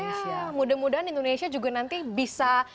iya mudah mudahan indonesia juga nanti bisa